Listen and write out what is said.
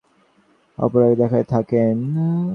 তাঁহারা কেবল নিজেরাই দর্শন করেন না, অপরকেও দেখাইয়া থাকেন।